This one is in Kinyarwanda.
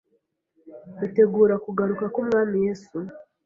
bitegura kugaruka k Umwami Yesu